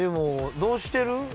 どうしてる？